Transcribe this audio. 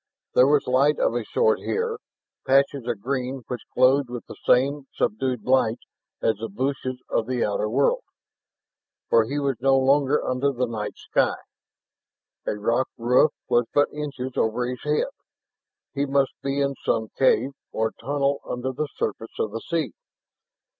There was light of a sort here, patches of green which glowed with the same subdued light as the bushes of the outer world, for he was no longer under the night sky. A rock roof was but inches over his head; he must be in some cave or tunnel under the surface of the sea.